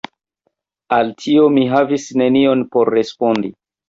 Al tio, mi havis nenion por respondi.